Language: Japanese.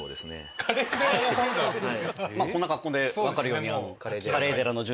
こんな格好で分かるように。